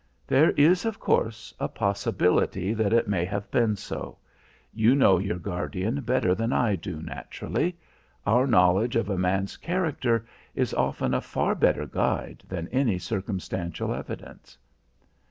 "There is, of course, a possibility that it may have been so. You know your guardian better than I do, naturally. Our knowledge of a man's character is often a far better guide than any circumstantial evidence."